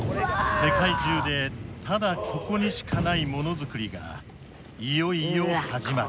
世界中でただここにしかないものづくりがいよいよ始まる。